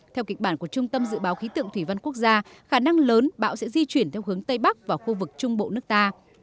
theo kịch bản của trung tâm dự báo khí tượng thủy văn quốc gia khả năng lớn bão sẽ di chuyển theo hướng tây bắc và khu vực trung bộ nước ta